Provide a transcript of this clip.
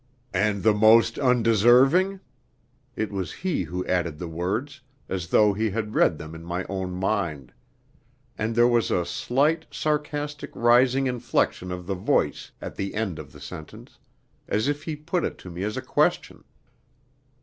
"And the most undeserving?" It was he who added the words, as though he had read them in my own mind; and there was a slight, sarcastic rising inflection of the voice at the end of the sentence, as if he put it to me as a question.